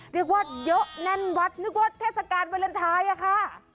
เรียกว่าเยอะแน่นวัดนึกว่าเทศกาลวาเลนไทยอะค่ะ